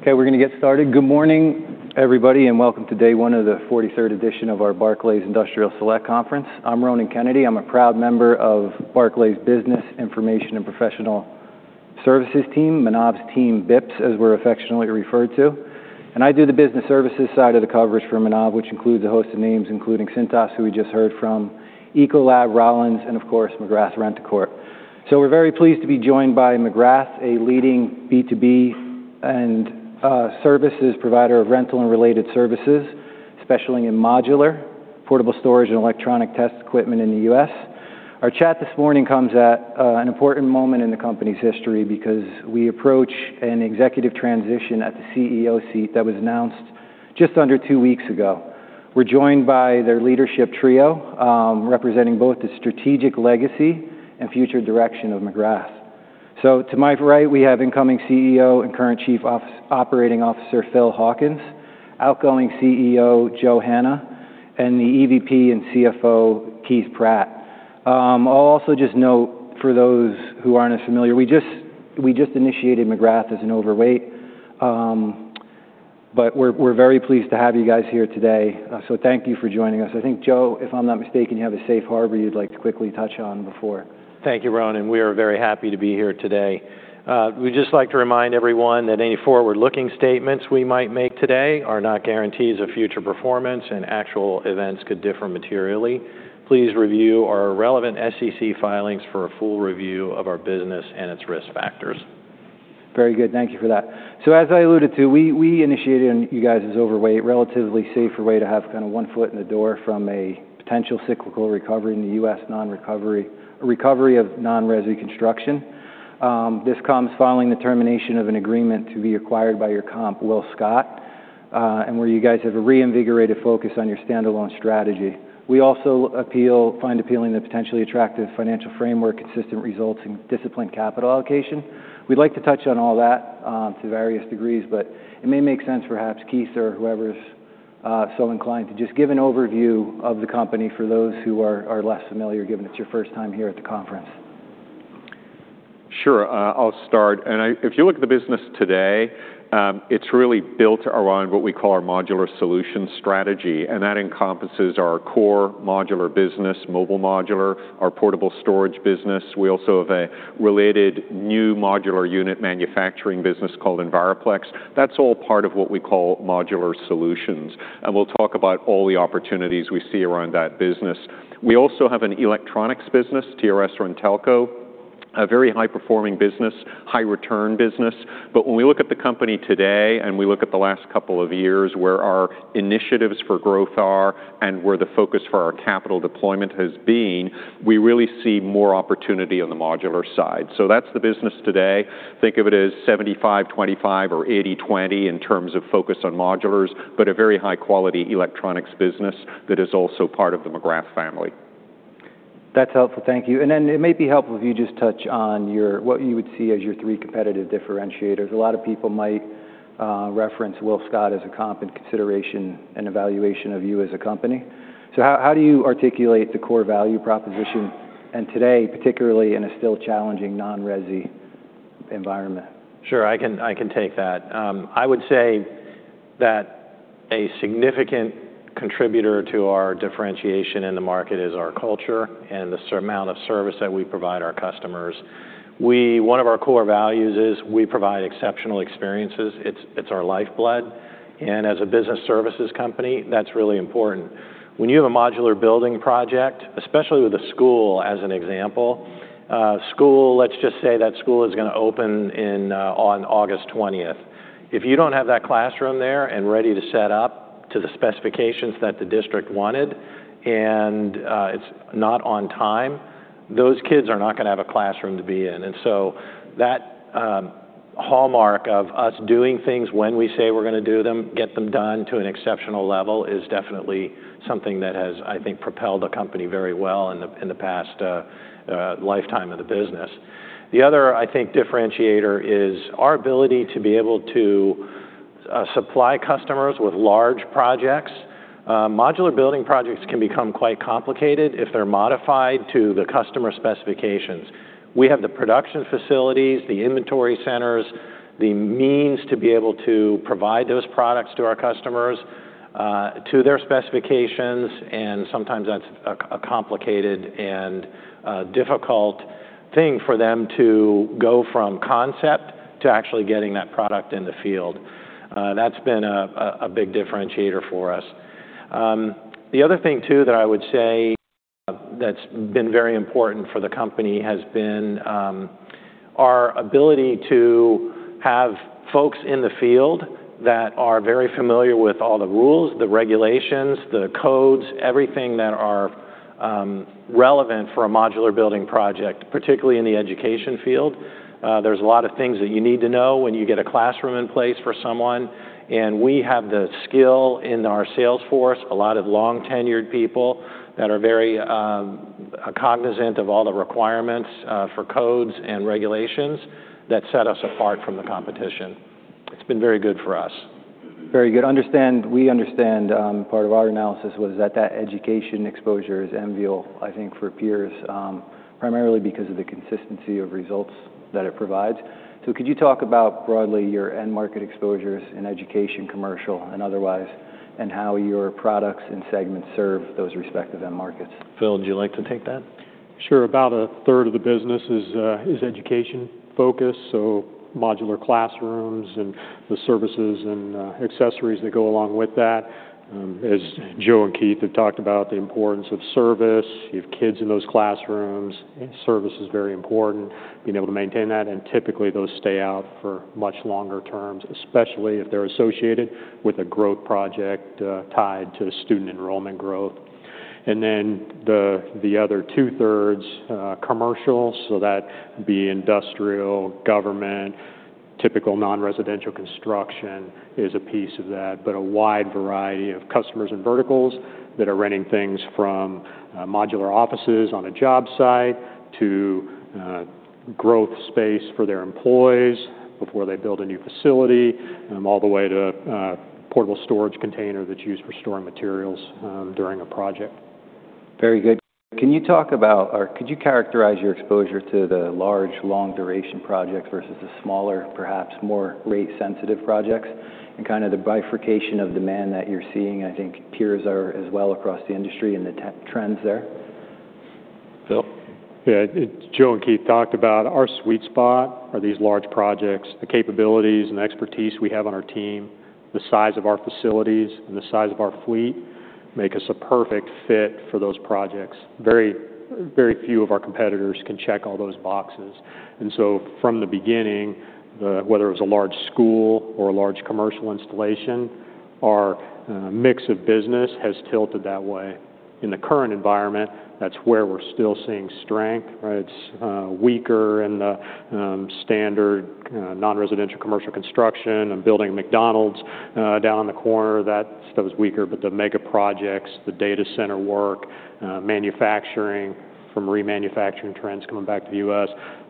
Okay, we're going to get started. Good morning, everybody, and welcome to day one of the 43rd edition of our Barclays Industrial Select Conference. I'm Ronan Kennedy. I'm a proud member of Barclays Business Information and Professional Services team, Manav's team, BIPS, as we're affectionately referred to. And I do the business services side of the coverage for Manav, which includes a host of names, including Cintas, who we just heard from, Ecolab, Rollins, and of course, McGrath RentCorp. So we're very pleased to be joined by McGrath, a leading B2B and services provider of rental and related services, especially in modular, portable storage, and electronic test equipment in the U.S. Our chat this morning comes at an important moment in the company's history because we approach an executive transition at the CEO seat that was announced just under two weeks ago. We're joined by their leadership trio, representing both the strategic legacy and future direction of McGrath. So to my right, we have incoming CEO and current Chief Operating Officer, Phil Hawkins, outgoing CEO, Joe Hanna, and the EVP and CFO, Keith Pratt. I'll also just note for those who aren't as familiar, we just initiated McGrath as an overweight. But we're very pleased to have you guys here today, so thank you for joining us. I think, Joe, if I'm not mistaken, you have a safe harbor you'd like to quickly touch on before. Thank you, Ronan. We are very happy to be here today. We'd just like to remind everyone that any forward-looking statements we might make today are not guarantees of future performance, and actual events could differ materially. Please review our relevant SEC filings for a full review of our business and its risk factors. Very good. Thank you for that. So as I alluded to, we, we initiated you guys as overweight, relatively safer way to have kind of one foot in the door from a potential cyclical recovery in the U.S. recovery of non-resi construction. This comes following the termination of an agreement to be acquired by your comp, WillScot, and where you guys have a reinvigorated focus on your standalone strategy. We also find appealing the potentially attractive financial framework, consistent results, and disciplined capital allocation. We'd like to touch on all that to various degrees, but it may make sense, perhaps, Keith or whoever's so inclined, to just give an overview of the company for those who are, are less familiar, given it's your first time here at the conference. Sure. I'll start. If you look at the business today, it's really built around what we call our modular solution strategy, and that encompasses our core modular business, Mobile Modular, our portable storage business. We also have a related new modular unit manufacturing business called Enviroplex. That's all part of what we call Modular Solutions, and we'll talk about all the opportunities we see around that business. We also have an electronics business, TRS-RenTelco, a very high-performing business, high-return business. But when we look at the company today, and we look at the last couple of years, where our initiatives for growth are and where the focus for our capital deployment has been, we really see more opportunity on the modular side. So that's the business today. Think of it as 75-25 or 80-20 in terms of focus on modulars, but a very high-quality electronics business that is also part of the McGrath family. That's helpful. Thank you. And then it may be helpful if you just touch on your, what you would see as your three competitive differentiators. A lot of people might reference WillScot as a comp in consideration and evaluation of you as a company. So how, how do you articulate the core value proposition, and today, particularly in a still challenging non-resi environment? Sure, I can take that. I would say that a significant contributor to our differentiation in the market is our culture and the amount of service that we provide our customers. One of our core values is we provide exceptional experiences. It's our lifeblood, and as a business services company, that's really important. When you have a modular building project, especially with a school, as an example, let's just say that school is going to open in on August 20th. If you don't have that classroom there and ready to set up to the specifications that the district wanted, and it's not on time, those kids are not going to have a classroom to be in. So that hallmark of us doing things when we say we're going to do them, get them done to an exceptional level, is definitely something that has, I think, propelled the company very well in the past lifetime of the business. The other, I think, differentiator is our ability to be able to supply customers with large projects. Modular building projects can become quite complicated if they're modified to the customer specifications. We have the production facilities, the inventory centers, the means to be able to provide those products to our customers to their specifications, and sometimes that's a complicated and difficult thing for them to go from concept to actually getting that product in the field. That's been a big differentiator for us. The other thing, too, that I would say that's been very important for the company has been our ability to have folks in the field that are very familiar with all the rules, the regulations, the codes, everything that are relevant for a modular building project, particularly in the education field. There's a lot of things that you need to know when you get a classroom in place for someone, and we have the skill in our sales force, a lot of long-tenured people that are very cognizant of all the requirements for codes and regulations that set us apart from the competition. It's been very good for us. Very good. We understand, part of our analysis was that that education exposure is enviable, I think, for peers, primarily because of the consistency of results that it provides. So could you talk about broadly your end market exposures in education, commercial, and otherwise, and how your products and segments serve those respective end markets? Phil, would you like to take that? Sure. About a third of the business is education-focused, so modular classrooms and the services and accessories that go along with that. As Joe and Keith have talked about, the importance of service. You have kids in those classrooms, and service is very important, being able to maintain that, and typically, those stay out for much longer terms, especially if they're associated with a growth project tied to student enrollment growth. And then the other two-thirds, commercial, so that would be industrial, government. Typical non-residential construction is a piece of that, but a wide variety of customers and verticals that are renting things from modular offices on a job site to growth space for their employees before they build a new facility, all the way to a portable storage container that's used for storing materials during a project. Very good. Can you talk about, or could you characterize your exposure to the large, long-duration projects versus the smaller, perhaps more rate-sensitive projects and kind of the bifurcation of demand that you're seeing? I think peers are as well across the industry and the trends there. Phil? Yeah, Joe and Keith talked about our sweet spot are these large projects. The capabilities and expertise we have on our team, the size of our facilities, and the size of our fleet make us a perfect fit for those projects. Very, very few of our competitors can check all those boxes. And so from the beginning, whether it was a large school or a large commercial installation, our mix of business has tilted that way. In the current environment, that's where we're still seeing strength, right? It's weaker in the standard non-residential commercial construction and building a McDonald's down on the corner. That stuff is weaker, but the mega projects, the data center work, manufacturing from remanufacturing trends coming back to the U.S.,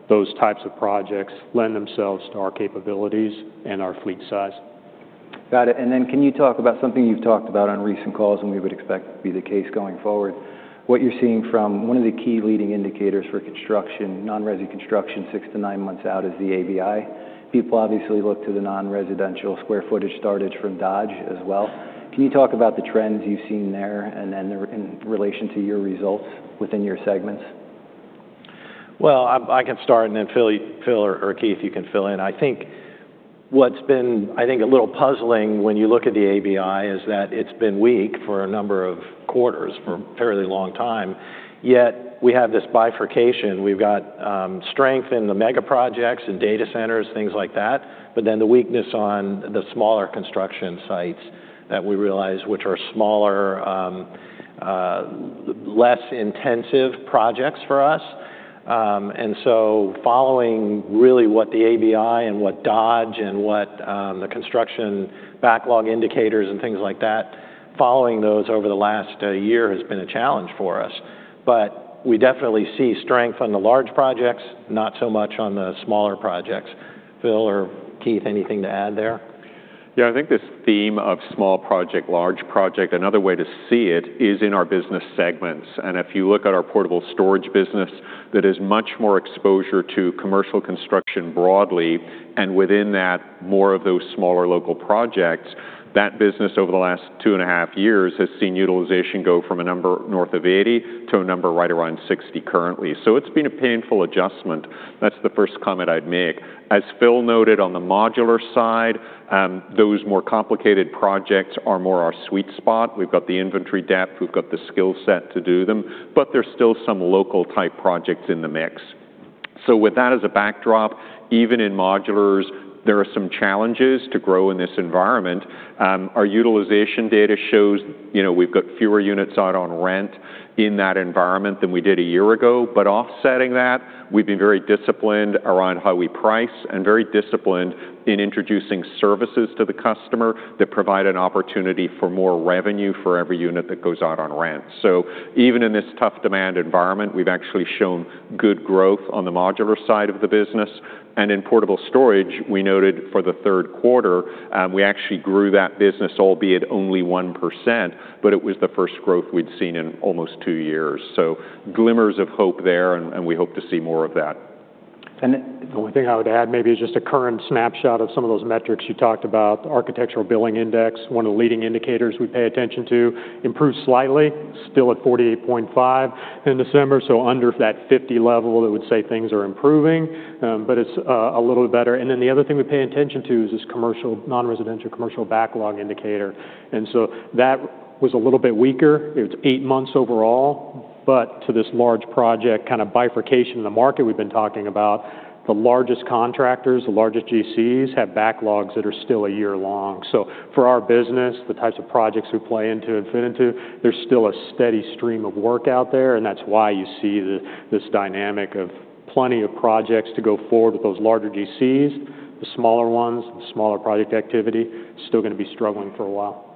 those types of projects lend themselves to our capabilities and our fleet size. Got it. And then can you talk about something you've talked about on recent calls, and we would expect to be the case going forward? What you're seeing from one of the key leading indicators for construction, non-resi construction, six-nine months out is the ABI. People obviously look to the non-residential square footage started from Dodge as well. Can you talk about the trends you've seen there, and then the in relation to your results within your segments? Well, I can start, and then Phil or Keith, you can fill in. I think what's been a little puzzling when you look at the ABI is that it's been weak for a number of quarters, for a fairly long time, yet we have this bifurcation. We've got strength in the mega projects and data centers, things like that, but then the weakness on the smaller construction sites that we realize, which are smaller, less intensive projects for us. And so following really what the ABI and what Dodge and what the construction backlog indicators and things like that, following those over the last year has been a challenge for us. But we definitely see strength on the large projects, not so much on the smaller projects. Phil or Keith, anything to add there? Yeah, I think this theme of small project, large project, another way to see it is in our business segments. If you look at our portable storage business, that is much more exposure to commercial construction broadly, and within that, more of those smaller local projects. That business, over the last two and a half years, has seen utilization go from a number north of 80 to a number right around 60 currently. It's been a painful adjustment. That's the first comment I'd make. As Phil noted on the modular side, those more complicated projects are more our sweet spot. We've got the inventory depth, we've got the skill set to do them, but there's still some local-type projects in the mix. With that as a backdrop, even in modulars, there are some challenges to grow in this environment. Our utilization data shows, you know, we've got fewer units out on rent in that environment than we did a year ago. But offsetting that, we've been very disciplined around how we price and very disciplined in introducing services to the customer that provide an opportunity for more revenue for every unit that goes out on rent. So even in this tough demand environment, we've actually shown good growth on the modular side of the business. And in portable storage, we noted for the third quarter, we actually grew that business, albeit only 1%, but it was the first growth we'd seen in almost two years. So glimmers of hope there, and, and we hope to see more of that. And- The only thing I would add maybe is just a current snapshot of some of those metrics you talked about. Architectural Billing Index, one of the leading indicators we pay attention to, improved slightly, still at 48.5 in December, so under that 50 level, that would say things are improving, but it's a little better. And then the other thing we pay attention to is this commercial- non-residential commercial backlog indicator, and so that was a little bit weaker. It's eight months overall, but to this large project, kind of bifurcation in the market we've been talking about, the largest contractors, the largest GCs, have backlogs that are still a year long. So for our business, the types of projects we play into and fit into, there's still a steady stream of work out there, and that's why you see this dynamic of plenty of projects to go forward with those larger GCs. The smaller ones, the smaller project activity, still going to be struggling for a while.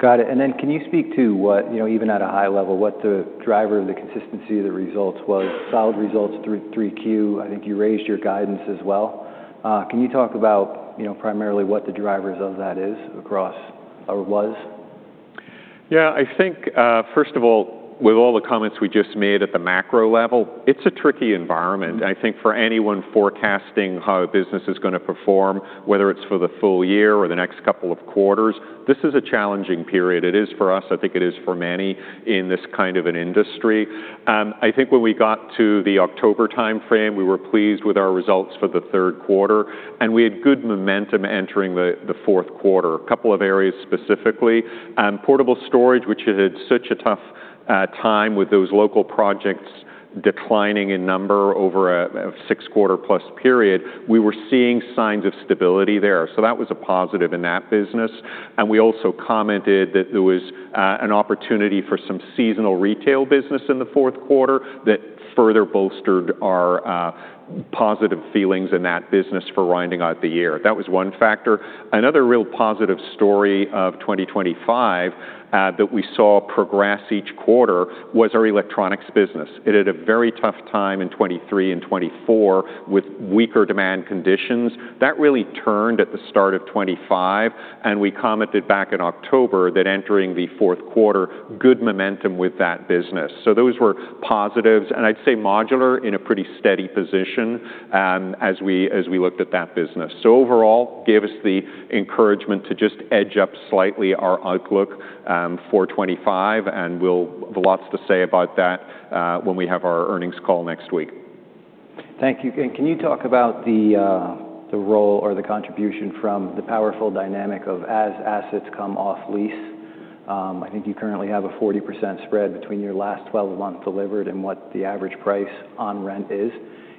Got it. And then can you speak to what, you know, even at a high level, what the driver of the consistency of the results was? Solid results through 3Q. I think you raised your guidance as well. Can you talk about, you know, primarily what the drivers of that is across, or was? Yeah, I think, first of all, with all the comments we just made at the macro level, it's a tricky environment. I think for anyone forecasting how a business is gonna perform, whether it's for the full year or the next couple of quarters, this is a challenging period. It is for us. I think it is for many in this kind of an industry. I think when we got to the October timeframe, we were pleased with our results for the third quarter, and we had good momentum entering the fourth quarter. A couple of areas specifically, portable storage, which had had such a tough time with those local projects declining in number over a six-quarter-plus period, we were seeing signs of stability there. So that was a positive in that business. We also commented that there was an opportunity for some seasonal retail business in the fourth quarter that further bolstered our positive feelings in that business for winding out the year. That was one factor. Another real positive story of 2025 that we saw progress each quarter was our electronics business. It had a very tough time in 2023 and 2024, with weaker demand conditions. That really turned at the start of 2025, and we commented back in October that entering the fourth quarter, good momentum with that business. So those were positives, and I'd say modular in a pretty steady position, as we looked at that business. So overall, gave us the encouragement to just edge up slightly our outlook for 2025, and we'll have lots to say about that when we have our earnings call next week. Thank you. And can you talk about the role or the contribution from the powerful dynamic of as assets come off lease? I think you currently have a 40% spread between your last 12 months delivered and what the average price on rent is.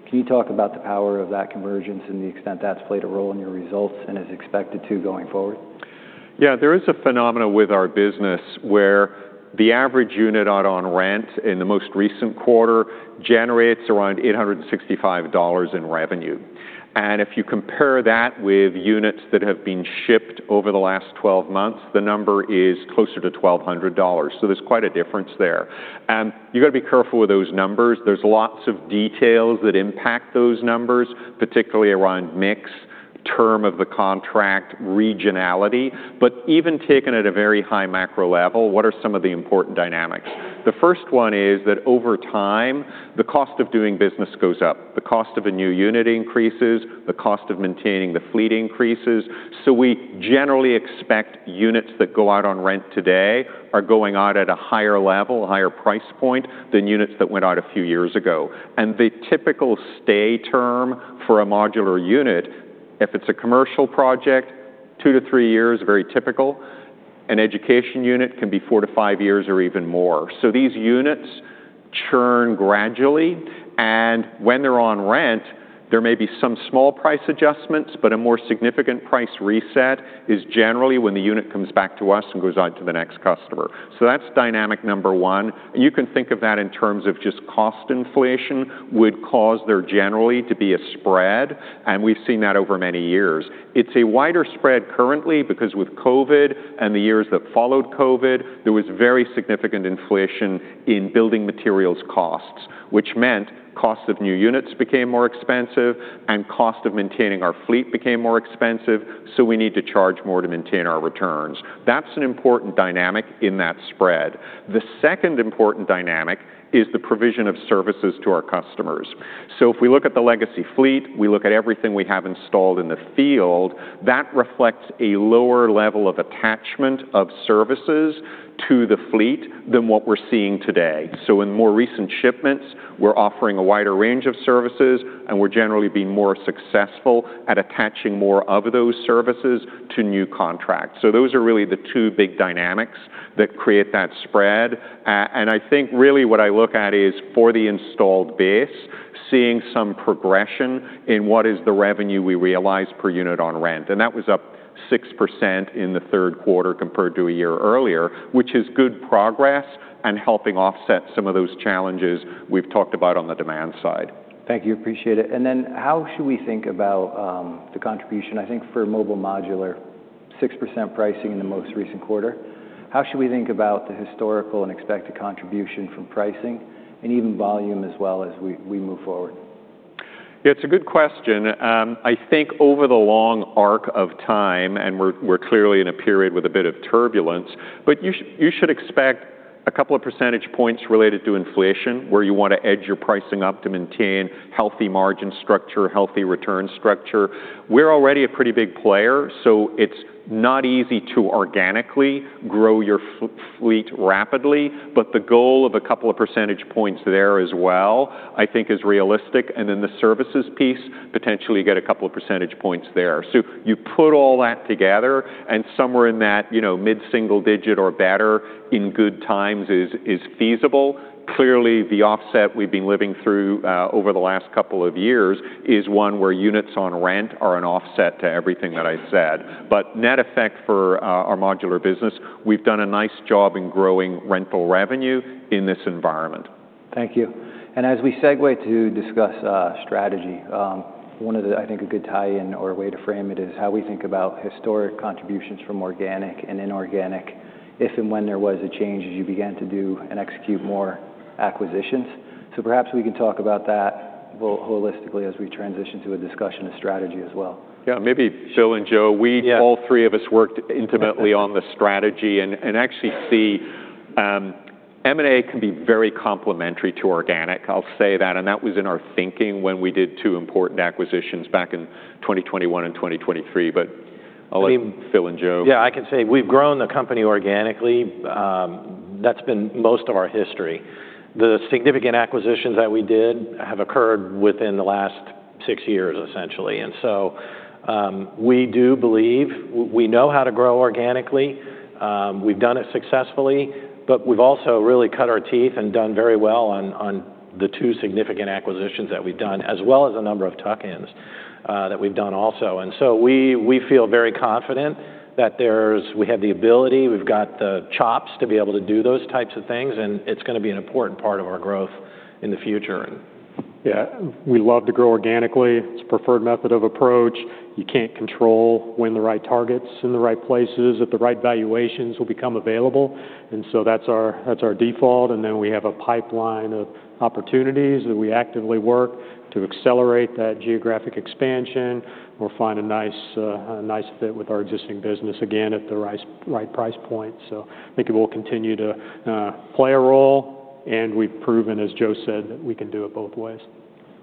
Can you talk about the power of that convergence and the extent that's played a role in your results and is expected to going forward? Yeah, there is a phenomena with our business where the average unit out on rent in the most recent quarter generates around $865 in revenue. And if you compare that with units that have been shipped over the last 12 months, the number is closer to $1,200. So there's quite a difference there. You've got to be careful with those numbers. There's lots of details that impact those numbers, particularly around mix, term of the contract, regionality. But even taken at a very high macro level, what are some of the important dynamics? The first one is that over time, the cost of doing business goes up. The cost of a new unit increases, the cost of maintaining the fleet increases. So we generally expect units that go out on rent today are going out at a higher level, a higher price point than units that went out a few years ago. And the typical stay term for a modular unit, if it's a commercial project, two-three years, very typical. An education unit can be four-five years or even more. So these units churn gradually, and when they're on rent, there may be some small price adjustments, but a more significant price reset is generally when the unit comes back to us and goes out to the next customer. So that's dynamic number one. You can think of that in terms of just cost inflation would cause there generally to be a spread, and we've seen that over many years. It's a wider spread currently, because with COVID and the years that followed COVID, there was very significant inflation in building materials costs, which meant cost of new units became more expensive, and cost of maintaining our fleet became more expensive, so we need to charge more to maintain our returns. That's an important dynamic in that spread. The second important dynamic is the provision of services to our customers. So if we look at the legacy fleet, we look at everything we have installed in the field, that reflects a lower level of attachment of services to the fleet than what we're seeing today. So in more recent shipments, we're offering a wider range of services, and we're generally being more successful at attaching more of those services to new contracts. So those are really the two big dynamics that create that spread. And I think really what I look at is for the installed base, seeing some progression in what is the revenue we realize per unit on rent, and that was up 6% in the third quarter compared to a year earlier, which is good progress and helping offset some of those challenges we've talked about on the demand side. Thank you. Appreciate it. And then how should we think about the contribution, I think, for Mobile Modular, 6% pricing in the most recent quarter? How should we think about the historical and expected contribution from pricing and even volume as well as we move forward? It's a good question. I think over the long arc of time, and we're clearly in a period with a bit of turbulence, but you should expect a couple of percentage points related to inflation, where you want to edge your pricing up to maintain healthy margin structure, healthy return structure. We're already a pretty big player, so it's not easy to organically grow your fleet rapidly, but the goal of a couple of percentage points there as well, I think is realistic. And then the services piece, potentially get a couple of percentage points there. So you put all that together, and somewhere in that, you know, mid-single digit or better in good times is feasible. Clearly, the offset we've been living through over the last couple of years is one where units on rent are an offset to everything that I said. But net effect for our modular business, we've done a nice job in growing rental revenue in this environment. Thank you. As we segue to discuss strategy, one of the, I think, a good tie-in or way to frame it is how we think about historic contributions from organic and inorganic, if and when there was a change as you began to do and execute more acquisitions. Perhaps we can talk about that holistically as we transition to a discussion of strategy as well. Yeah, maybe Phil and Joe. Yeah. We, all three of us, worked intimately on the strategy and actually, see, M&A can be very complementary to organic. I'll say that, and that was in our thinking when we did two important acquisitions back in 2021 and 2023. But I'll let Phil and Joe- Yeah, I can say we've grown the company organically. That's been most of our history. The significant acquisitions that we did have occurred within the last six years, essentially. And so, we do believe we know how to grow organically. We've done it successfully, but we've also really cut our teeth and done very well on the two significant acquisitions that we've done, as well as a number of tuck-ins that we've done also. And so we feel very confident that we have the ability, we've got the chops to be able to do those types of things, and it's gonna be an important part of our growth in the future. Yeah, we love to grow organically. It's a preferred method of approach. You can't control when the right target's in the right places, at the right valuations will become available, and so that's our, that's our default. And then we have a pipeline of opportunities that we actively work to accelerate that geographic expansion or find a nice, a nice fit with our existing business, again, at the right price point. So I think it will continue to play a role, and we've proven, as Joe said, that we can do it both ways.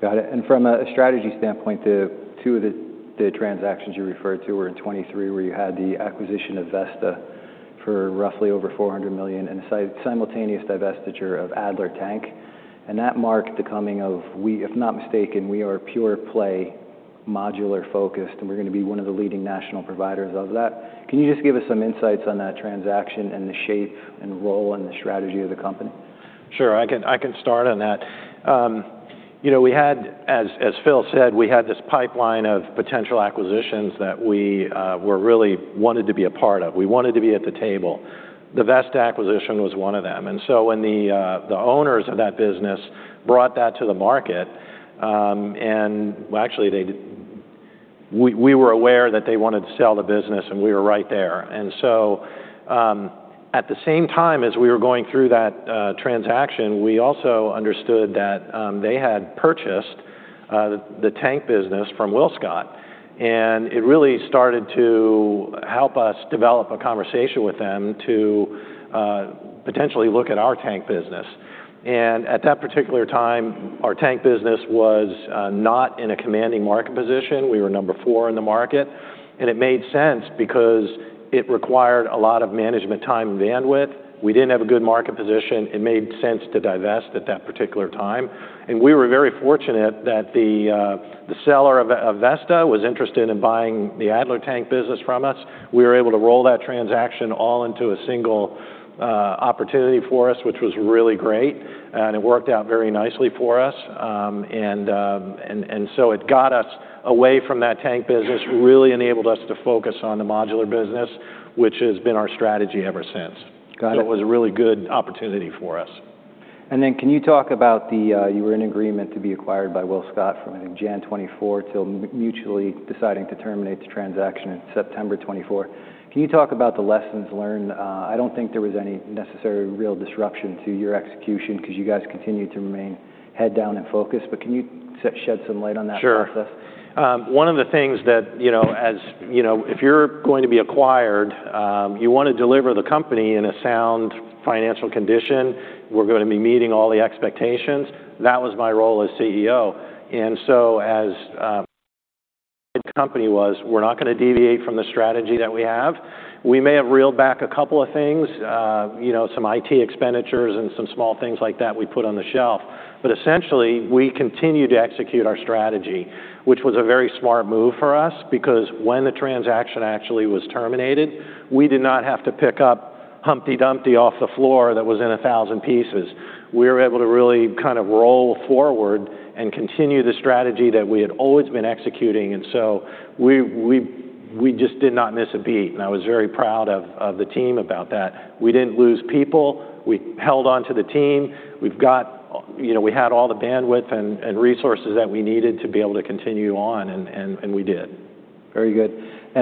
Got it. From a strategy standpoint, the two transactions you referred to were in 2023, where you had the acquisition of VESTA for roughly over $400 million and a simultaneous divestiture of Adler Tank. That marked the coming of, we... If I'm not mistaken, we are a pure-play, modular-focused, and we're going to be one of the leading national providers of that. Can you just give us some insights on that transaction and the shape and role and the strategy of the company? Sure, I can start on that. You know, we had, as Phil said, we had this pipeline of potential acquisitions that we were really wanted to be a part of. We wanted to be at the table. The VESTA acquisition was one of them. And so when the owners of that business brought that to the market, and well, actually, we were aware that they wanted to sell the business, and we were right there. And so, at the same time as we were going through that transaction, we also understood that they had purchased the tank business from WillScot, and it really started to help us develop a conversation with them to potentially look at our tank business. And at that particular time, our tank business was not in a commanding market position. We were number four in the market, and it made sense because it required a lot of management time and bandwidth. We didn't have a good market position. It made sense to divest at that particular time, and we were very fortunate that the seller of VESTA was interested in buying the Adler Tank business from us. We were able to roll that transaction all into a single opportunity for us, which was really great, and it worked out very nicely for us. So it got us away from that tank business, really enabled us to focus on the modular business, which has been our strategy ever since. Got it. It was a really good opportunity for us. And then can you talk about the... You were in agreement to be acquired by WillScot from, I think, January 2024 till mutually deciding to terminate the transaction in September 2024. Can you talk about the lessons learned? I don't think there was any necessarily real disruption to your execution because you guys continued to remain head down and focused. But can you shed some light on that process? Sure. One of the things that, you know, as you know, if you're going to be acquired, you want to deliver the company in a sound financial condition. We're going to be meeting all the expectations. That was my role as CEO. And so as, the company was, we're not going to deviate from the strategy that we have. We may have reeled back a couple of things, you know, some IT expenditures and some small things like that we put on the shelf. But essentially, we continued to execute our strategy, which was a very smart move for us because when the transaction actually was terminated, we did not have to pick up Humpty Dumpty off the floor that was in a thousand pieces. We were able to really kind of roll forward and continue the strategy that we had always been executing, and so we just did not miss a beat, and I was very proud of the team about that. We didn't lose people. We held on to the team. We've got, you know, we had all the bandwidth and resources that we needed to be able to continue on, and we did. Very good.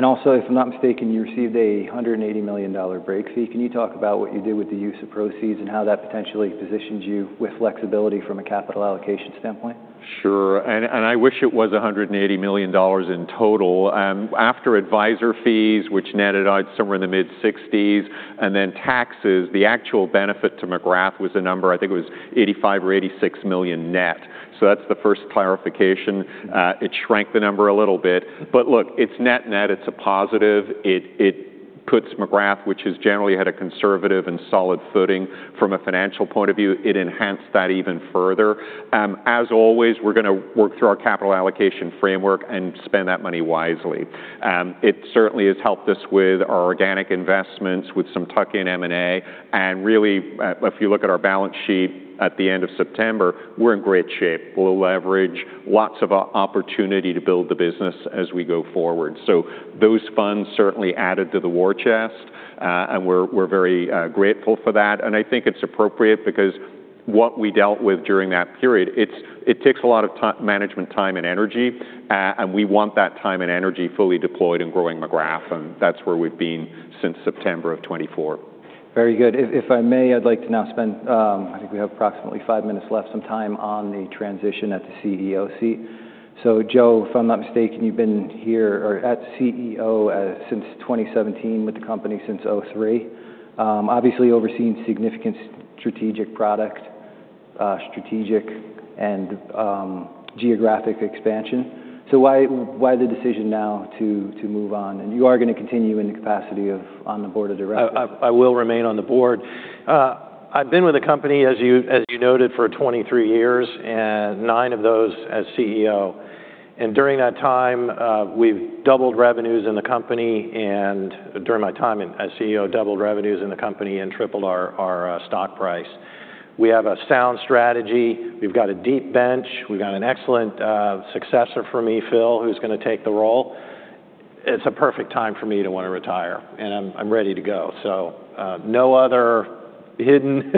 Also, if I'm not mistaken, you received a $180 million break fee. Can you talk about what you did with the use of proceeds and how that potentially positions you with flexibility from a capital allocation standpoint? Sure. And I wish it was $180 million in total. After advisor fees, which netted out somewhere in the mid-60s, and then taxes, the actual benefit to McGrath was a number, I think it was $85 million or $86 million net. So that's the first clarification. It shrank the number a little bit, but look, it's net-net. It's a positive. It puts McGrath, which has generally had a conservative and solid footing from a financial point of view, it enhanced that even further. As always, we're gonna work through our capital allocation framework and spend that money wisely. It certainly has helped us with our organic investments, with some tuck-in M&A. And really, if you look at our balance sheet at the end of September, we're in great shape. Low leverage, lots of opportunity to build the business as we go forward. So those funds certainly added to the war chest, and we're very grateful for that. And I think it's appropriate because what we dealt with during that period, it takes a lot of time, management time and energy, and we want that time and energy fully deployed in growing McGrath, and that's where we've been since September of 2024. Very good. If, if I may, I'd like to now spend, I think we have approximately five minutes left, some time on the transition at the CEO seat. So Joe, if I'm not mistaken, you've been here or at CEO since 2017 with the company since 2003. Obviously overseeing significant strategic product, strategic and geographic expansion. So why, why the decision now to move on? And you are gonna continue in the capacity of on the board of directors. I will remain on the board. I've been with the company, as you noted, for 23 years, and nine of those as CEO. During that time, we've doubled revenues in the company, and during my time as CEO, doubled revenues in the company and tripled our stock price. We have a sound strategy. We've got a deep bench. We've got an excellent successor for me, Phil, who's gonna take the role. It's a perfect time for me to want to retire, and I'm ready to go. No other hidden,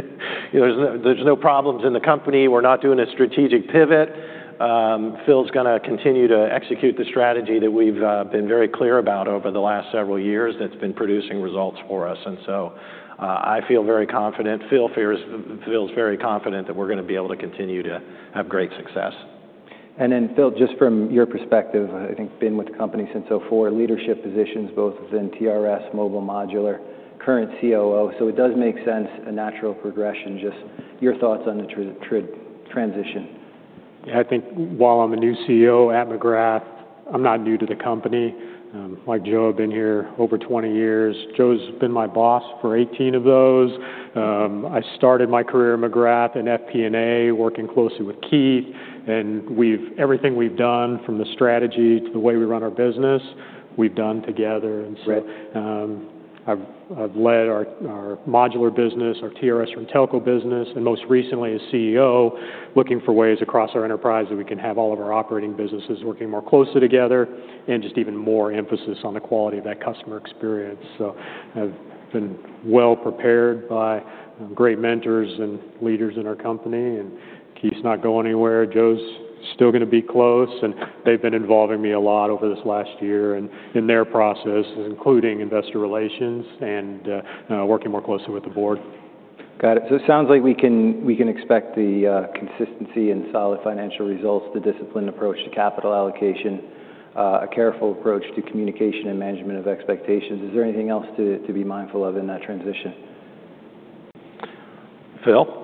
there's no problems in the company. We're not doing a strategic pivot. Phil's gonna continue to execute the strategy that we've been very clear about over the last several years that's been producing results for us, and so I feel very confident. Phil's very confident that we're gonna be able to continue to have great success. And then, Phil, just from your perspective, I think you've been with the company since 2004, leadership positions, both within TRS, Mobile Modular, current COO, so it does make sense, a natural progression. Just your thoughts on the transition? Yeah, I think while I'm a new CEO at McGrath, I'm not new to the company. Like Joe, I've been here over 20 years. Joe's been my boss for 18 of those. I started my career at McGrath in FP&A, working closely with Keith, and everything we've done, from the strategy to the way we run our business, we've done together. Right. I've led our modular business, our TRS-RenTelco business, and most recently as CEO, looking for ways across our enterprise that we can have all of our operating businesses working more closely together, and just even more emphasis on the quality of that customer experience. I've been well prepared by great mentors and leaders in our company, and Keith's not going anywhere. Joe's still gonna be close, and they've been involving me a lot over this last year and in their processes, including investor relations and working more closely with the board. Got it. So it sounds like we can expect the consistency and solid financial results, the disciplined approach to capital allocation, a careful approach to communication and management of expectations. Is there anything else to be mindful of in that transition? Phil?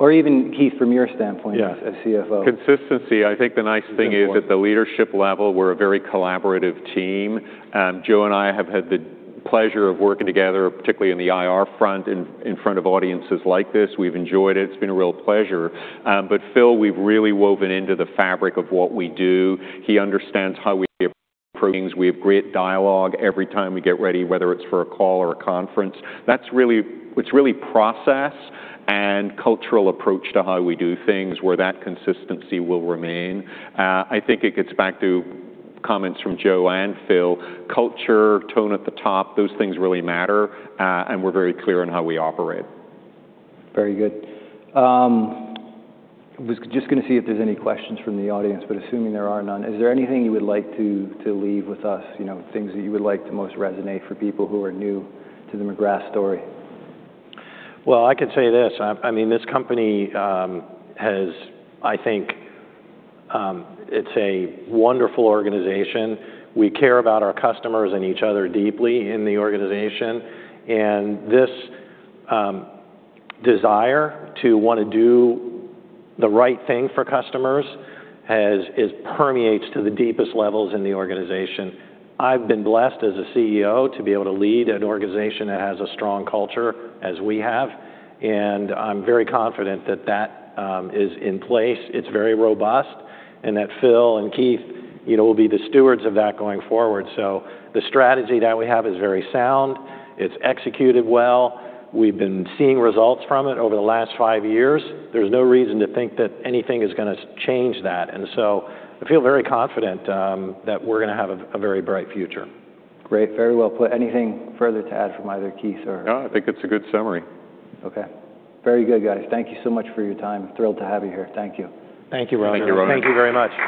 Or even Keith, from your standpoint- Yes. -as CFO. Consistency. I think the nice thing is- Important... at the leadership level, we're a very collaborative team. Joe and I have had the pleasure of working together, particularly in the IR front, in front of audiences like this. We've enjoyed it. It's been a real pleasure. But Phil, we've really woven into the fabric of what we do. He understands how we approach things. We have great dialogue every time we get ready, whether it's for a call or a conference. That's really. It's really process and cultural approach to how we do things, where that consistency will remain. I think it gets back to comments from Joe and Phil. Culture, tone at the top, those things really matter, and we're very clear on how we operate. Very good. I was just gonna see if there's any questions from the audience, but assuming there are none, is there anything you would like to leave with us? You know, things that you would like to most resonate for people who are new to the McGrath story? Well, I can say this. I mean, this company I think it's a wonderful organization. We care about our customers and each other deeply in the organization, and this desire to want to do the right thing for customers, it permeates to the deepest levels in the organization. I've been blessed as a CEO to be able to lead an organization that has a strong culture, as we have, and I'm very confident that that is in place, it's very robust, and that Phil and Keith, you know, will be the stewards of that going forward. So the strategy that we have is very sound. It's executed well. We've been seeing results from it over the last five years. There's no reason to think that anything is gonna change that. So I feel very confident that we're gonna have a very bright future. Great. Very well put. Anything further to add from either Keith or- No, I think it's a good summary. Okay. Very good, guys. Thank you so much for your time. Thrilled to have you here. Thank you. Thank you, Ronan. Thank you, Ronan. Thank you very much.